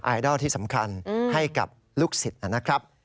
ดอลที่สำคัญให้กับลูกศิษย์นะครับ